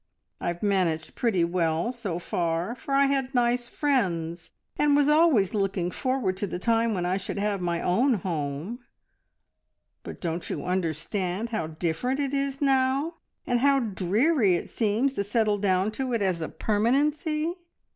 I have managed pretty well so far, for I had nice friends, and was always looking forward to the time when I should have my own home, but don't you understand how different it is now, and how dreary it seems to settle down to it as a permanency?"